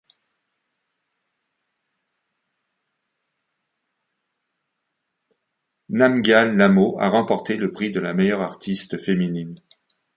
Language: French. Namgyal Lhamo a remporté le prix de la meilleure artiste féminine.